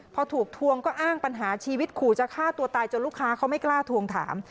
พอถูกทวงก็อ้างปัญหาชีวิตขู่จะฆ่าตัวตายจนลูกค้าเขาไม่กล้าทวงถาม